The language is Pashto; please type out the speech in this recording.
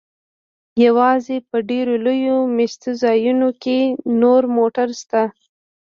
یوازې په ډیرو لویو میشت ځایونو کې نور موټر شته